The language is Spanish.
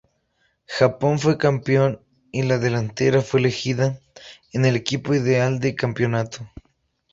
Japón fue campeón y la delantera fue elegida en el equipo ideal del campeonato.